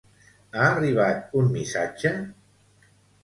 Ha arribat un missatge?